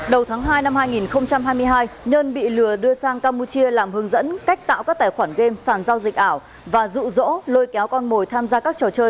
đầu tháng hai năm hai nghìn hai mươi hai nhân bị lừa đưa sang campuchia làm hướng dẫn cách tạo các tài khoản game sàn giao dịch ảo và rụ rỗ lôi kéo con mồi tham gia các trò chơi